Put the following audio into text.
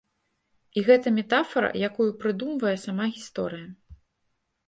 І гэта метафара, якую прыдумвае сама гісторыя.